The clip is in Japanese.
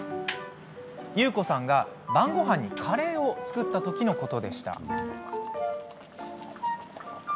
ゆうこさんが晩ごはんにカレーを作った時のことでした。